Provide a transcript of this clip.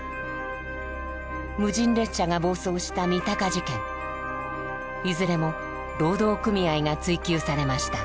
無人列車が暴走したいずれも労働組合が追及されました。